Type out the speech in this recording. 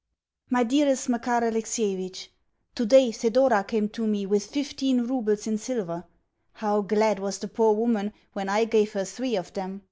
MY DEAREST MAKAR ALEXIEVITCH, Today Thedora came to me with fifteen roubles in silver. How glad was the poor woman when I gave her three of them!